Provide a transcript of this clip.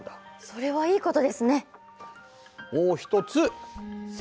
それはいいことですね！